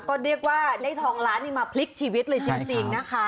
ก็เรียกว่าได้ทองล้านนี่มาพลิกชีวิตเลยจริงนะคะ